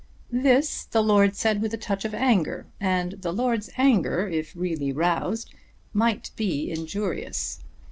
This the Lord said with a touch of anger, and the Lord's anger, if really roused, might be injurious.